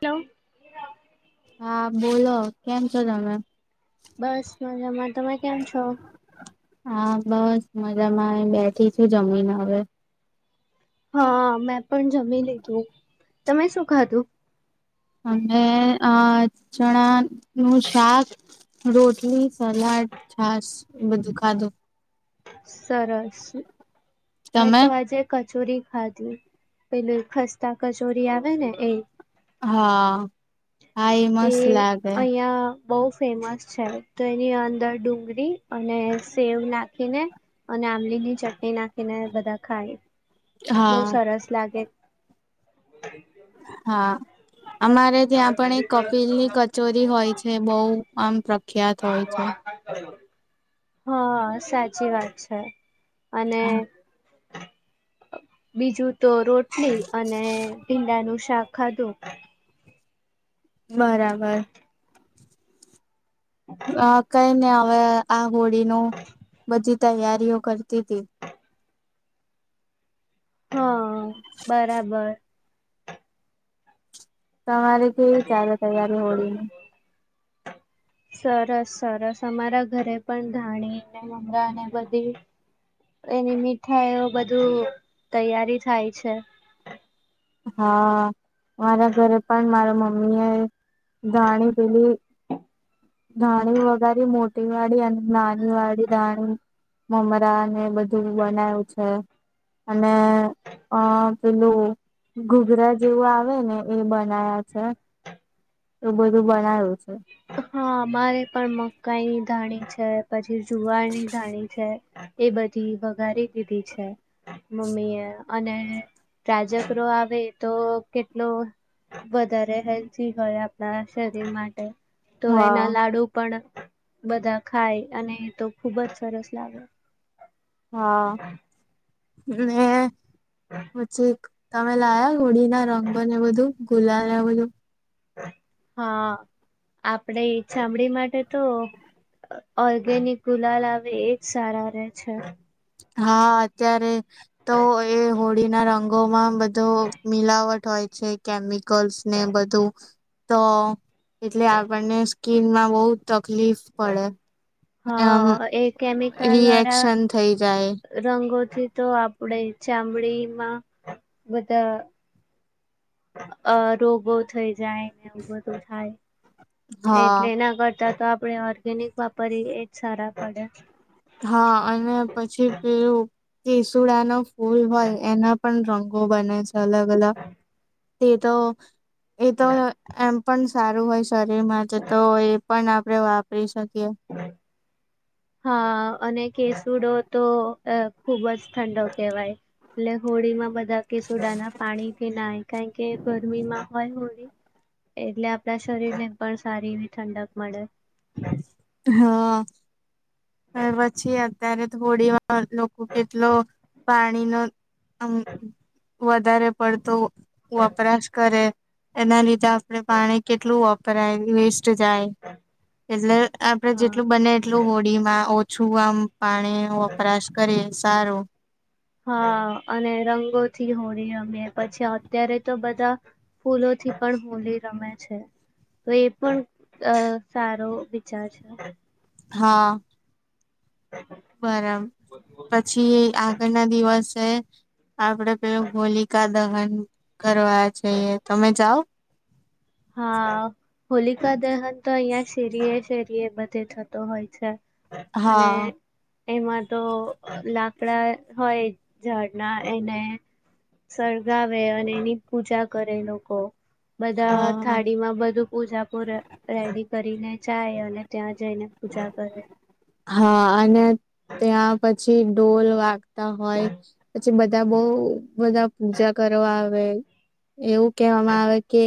કેવ હા બોલો, કેમ છો તમે? બસ મજામાં તમે કેમ છો હા બસ મજામાં બેઠી છું, જમીને હવે હા મેં પણ જમી લીધું, તમે શું ખાધું? અને અ ચણા નું શાક રોટલી, સલાડ, છાાસ બધું ખાધું સરસ મેં તમે તો આજે કચોરી ખાધી પેલે ખસ્તા કચોરી આવે ને એ હા હા એ મસ્ત લાગે બઉ ફેમસ છે તો એની અંદર ડુંગળી અને સેવ નાખીને અને આંબલીની ચટણી નાખીને બધા ખાય બહુ હા સરસ લાગે હા અમારે ત્યાં પણ એક કપિલની કચોરી હોય છે બહુ આમ પ્રખ્યાત હોય છે. હા સાચી વાત છે અને બીજું તો રોટલી અને ભીંડા નું શાક ખાધું બરાબર અ કઈ ને હવે આ હોળીનું બધી તૈયારીઓ કરતી તી હા બરાબર તમારે કેવી ચાલે તૈયારી હોળીને સરસ- સરસ અમારા ઘરે પણ ધાણી ને મંગા ને બધી એની મીઠાઈ એવી બધું તૈયારી થાય છે. હા મારા ઘરે પણ મારા મમ્મી એ ધાણી પીલી. ધાણી વગારી મોટી વાળી, અને નાની વાળી ધાણી મમરા ને બધું બનાયું છે. અને પેલું. ઘૂઘરા જેવું આવે ને એ બનાયા છે. તો બધું બનાયું છે. હા અમારે પણ મકાઈની ધાણી છે, પછી જુવારની ધાણી છે. એ બધી વઘારી દીધી છે. મમ્મી એ અને પ્રાજકરો આવે તો કેટલો. વધારે હેલ્ધી હોય, આપણા શરીર માટે તો એના હા લાડુ પણ. બધા ખાય અને તો ખુબ જ સરસ લાગે. હા મે મુછી કતામે લાયા. કોળી ના રંગો ને બધું ગુલા ને બધું હા આપડે ચામડી માટે તો, ઓર્ગેનિક ગુલાલ આવે એજ સારા રે છે. હા અત્યારે તો એ હોળી ના રંગોમાં બધો મિલાવટ હોય છે, કેમિકલ્સ ને બધું. તો એટલે આપણને સ્કીનમાં બહુ તકલીફ પડે. એમ હા એ કેમિકલ દ્વારા રિએક્શન થઈ જાય રંગ ગોઠવી તો આપણેે ચામડીમાં બધા. અ રોગો થઈ જાયને અને બધું થાય હા એટલે એના ઘરમાં. તો આપણે ઓર્ગેનિક વાપરીએ એજ સારા પડે. હા અને પછી પેલું કેસુડા નો ફૂલ હોય એના પણ રંગ હું બનું છું, અલગ- અલગ તે તો એ તો એમ. પણ સારું હોય શરીરમાં તો એ પણ આપણે વાપરી શકીએ. અ અને કેસુડો તો ખુબ જ ઠંડો કહેવાય. એટલે હોળીમાં બધા કેસોડા ના પાણી કે ના કારણ કે ગરમીમાં હોય હોળી. એટલે આપડા શરીર ને પણ સારી એવી ઠંડક મળે. હા પછી અત્યારે થોડી વાર લોકો કેટલો પાણી નો આમ વધારે પડતો. વપરાશ કરે એના લીધે આપણે પાણી કેટલું વપરાયેલ વેસ્ટ. જાય એટલે આપડે હા. જેટલું બને એટલું હોળી. છું, આમ પાણી વપરાશ કરી સારો. હા અને રંગોથી હોળી અમે પછી અત્યારે તો બધા ફૂલો. થી પણ હોલી રમે છે. તો એ પણ અ સારો વિચાર છે. હા બરાબર પછી આગળ ના દિવસે આપડે પેલું હોલિકા દહન કરવા જઈએ, તમે જાઓ. હા હોલિકા દહન તો અહિયાં શેરીએ- શેરીએ બધે થતો હોય છે. અને હા. એમાં તો લાકડા હોય ઝાડના એને સળગાવે અને એની પૂજા કરે લોકો બધા હા થાળી માં બધું પૂજાપુ રેડી કરીને. ચાય અને ત્યાં જઈને પૂજા કરે. હા અને ત્યાં પછી ડોલવા. હોય પછી બધા બહુ બધા પૂજા કરવા આવે. એવું કહેવામાં આવે કે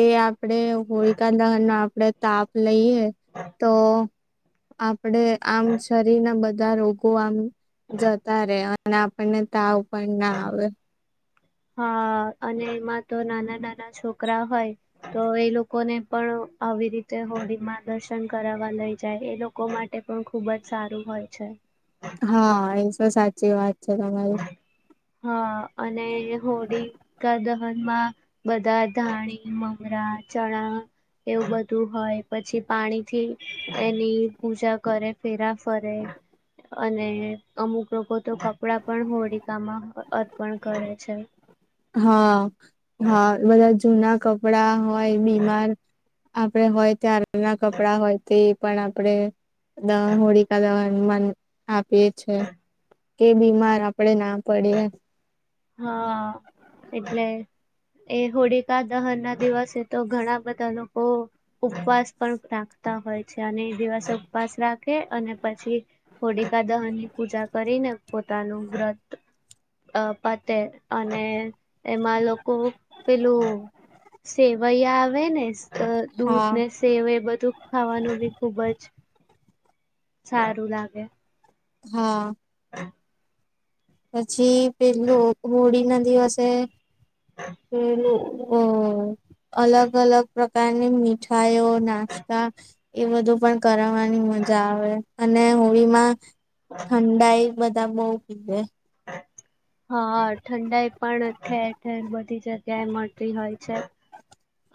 એ આપડે હોળિકા દહન ના આપડે તાપ લઈએ તો આપ. આપડે આમ શરીર ના બધા રોગો આમ જતા રહેે અને આપણને તાવ પણ ના આવે હા અને એમાં તો નાના નાના છોકરા હોય તો એ લોકોને પણ આવી રીતે હોળીમાં દર્શન કરાવવા લઈ જાય એ લોકો માટે પણ ખુબ જ સારું હોય છે. હા એ તો સાચી વાત છે તમારી હા અને હોળી કા દ નમાં બધા ધાણી મમરા ચણા એવું બધું હોય પછી પાણીથી એની પૂજા કરે ફેરા ફરે અને અમુક લોકો તો કપડા પણ હોળિકામાં અર્પણ કરે છે હા હા બધા જૂના કપડા હોય બીમાર આપણેે હોય ત્યારના કપડાં હોય તે પણ આપણેે દહન હોડીકા દહન વન આપીએ છે કે બીમાર આપણેે ના પડીએ હા એટલે એ હોળિકા દહન ના દિવસે તો ઘણા બધા લોકો ઉપવાસ પણ રાખતા હોય છે અને એ દિવસ ઉપવાસ રાખે અને પછી હોળકા દહનની પૂજા કરી ને પોતાનું વ્રત અ પતે અને એમાં લોકો પેલું સે વૈયા આવે ને દૂધ હા ને સેવ એ બધું ખાવાનું બી ખુબ જ. સારું લાગે હા [inaudible] પછી પેલું હોળી ના દિવસે પેલું અ [inaudible] અલગ અલગ પ્રકારની મીઠાઈઓ નાસ્તા એ બધું પણ કરવાની. મજા આવે અને હોળીમાં ઠંડાઈ બધા બઉ પીવે હા ઠંડાઈ પણ ઠેર ઠેર બધી જગ્યાએ મળતી હોય છે.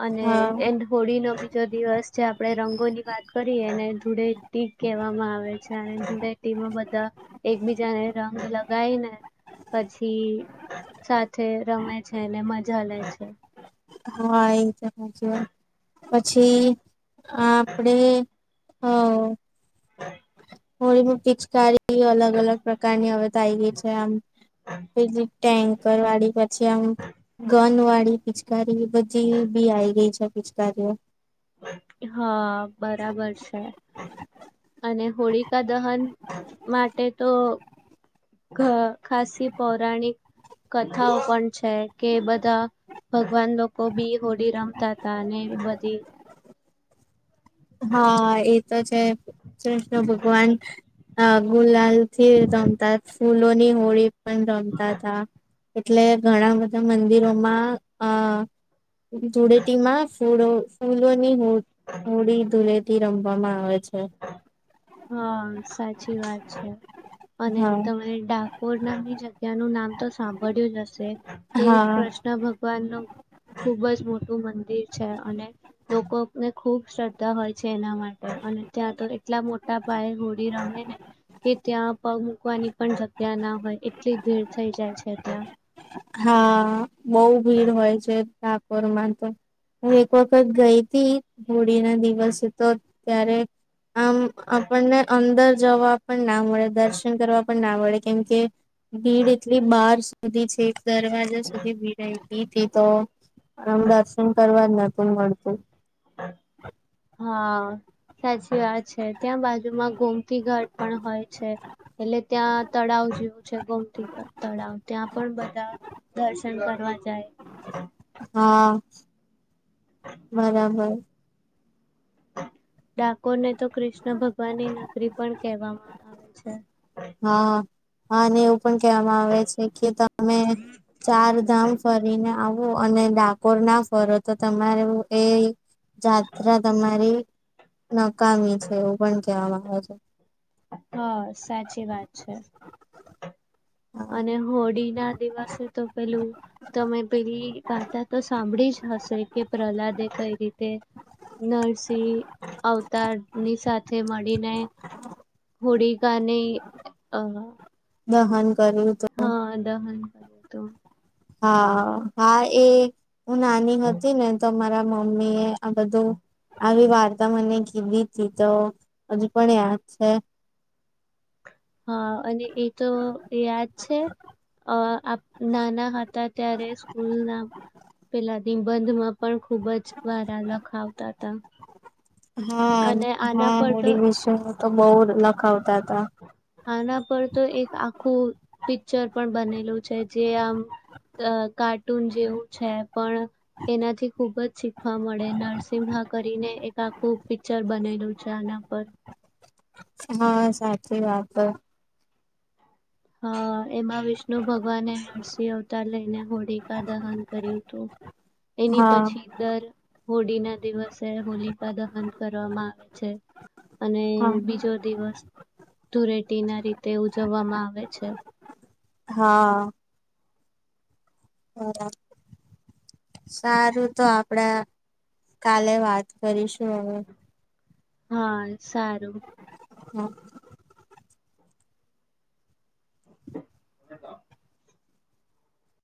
અને હા એ હોળી નો બીજો દિવસ છે આપણેે રંગોની વાત કરીએ ને ધુળેટી કહેવામાં આવે છે અને જો ધુળેટી બધા એકબીજાને રંગ લગાય ને એ સાથે રમે છે મજા લે છે હા એ તો સાચી વાત છે પછી આપડે હા હોળી માં પિચકારી અલગ અલગ પ્રકારની હવે થઇ ગઈ છે આમ બીજી ટેન્કર વાળી પછી આમ ગન વાળી પિચકારી બચી ભી આઈ ગઈ છે પિચકારી ઓ હા બરાબર છે અને હોળીકા દહન માટે તો ગ ખાસી પૌરાણિક કથાઓ પણ છે કે બધા ભગવાન લોકો બી હોડી રમતા હતા અને બધી હા એ તો છે કૃષ્ણ ભગવાન અ ગુલાલ થી રમતા ફૂલોની હોળી પણ રમતા હતા એટલે ઘણા બધા મંદિરોમાં અ ધુળેટીમાં ફૂળો ફૂલોની હો હોળી ધુળેટી રમવામાં આવે છે હા સાચી વાત છે અને હા તમે ડાકોર ના બી જગ્યા નું નામ તો સાંભળ્યું જ હશે તે હા કૃષ્ણ ભગવાન નું ખુબ જ મોટું મંદિર છે અને લોકોને ખુબ શ્રદ્ધા હોય છે એના માટે અને ત્યાં તો એટલા મોટા પાયે હોડી રમે ને કે ત્યાં પગ મૂકવાની પણ જગ્યા ના હોય એટલી ભીડ થઈ જાય છે ત્યાં હા બઉ ભીડ હોય છે ડાકોર માં તો હું એક વખત ગઈ હતી હોડી ના દિવસે તો ત્યારે આમ આપણને અંદર જવા પણ ના મળે દર્શન કરવા પણ ના મળડે કેમ કે ભીડ એટલી બાર સુધી છે દરવાજા સુધી ભીડ થી તો આમ દર્શન કરવા જ નતું મળતું હા સાચી વાત છે ત્યાં બાજુમાં ગોમતી ઘાટ પણ હોય છે એટલે ત્યાં તળાવ જેવું છે ગોમતીગ તળાવ ત્યાં પણ બધા દર્શન કરવા કરવાવા જાય હા. બરાબર. ડાકોર ને તો કૃષ્ણ ભગવાનની નગરી પણ કહેવામાં આવે છે. હા હા ને એવુ. પણ કહેવામાં આવે છે કે તમે ચારધામ ફરીને આવ હું. અને ડાકોર ના ફરો તો તમારે એ જાત્રા તમારી નકામી છે એવું પણ કેહેવામાં આવે છે. હ સાચી વાત છે. હા, અને હોળી ના દિવસે તો પેલું તમે પેલી ગાતા તો સાંભળી જ હશે કે પ્રહલાદે કઈ રીતે નરસિંહ અવતારની સાથે મળીને હોડીી ગાને અ દહન કર્યું તોું અ તો હા હા એ હું નાની હતી ને તો મારા મમ્મી એ આ બધું આવી વાત તા મને કીધી હતીી તો હજુ પણ યાદ છે હા અને એ તો યાદ છે અ નાના હતા ત્યારે સ્કૂલના પેલા નિબંધમાં પણ ખુબ જ વારા લખાવતા હતા. હા અને આના હા પર તો હોડી વિશે તો બહું લખાવતા હતા. આના પર તો એક આખું પિક્ચર પણ બનેલું છે જે આમ અ કાર્ટૂન જેવું છે. પણ એનાથી ખુબ જી હમળે નરસિમહા કરીને એક આખું પિક્ચર બનેલું છે આના પર. હા સાચી વાત. હા. એમાં વિષ્ણુ ભગવાને નરસિંહ અવતાર લઈને હોળીકા દહન કર્યું તું. એની હા પછી દર હોળીના દિવસ સે હોલિકા દહન કરવામાં આવે છે. અને હા બીજો દિવસ. ધૂરેટી ના રીતે ઉજવવામાં આવે. છે. હા. બરાબર. સારું તો આપડે કાલે વાત કરીશું હવે. હા સારું. હ. હેલો.